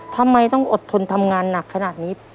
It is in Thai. ทำไมต้องอดทนทำงานหนักขนาดนี้